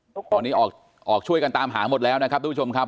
ตอนนี้ออกออกช่วยกันตามหาหมดแล้วนะครับทุกผู้ชมครับ